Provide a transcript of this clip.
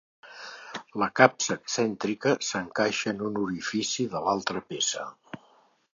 La capsa excèntrica s'encaixa en un orifici de l'altra peça.